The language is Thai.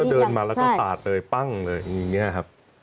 พยุ่งเดินมาและขาดเลยปั้งเลยอย่างนี้ครับ